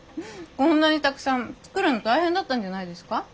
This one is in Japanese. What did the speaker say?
こんなにたくさん作るの大変だったんじゃないですか？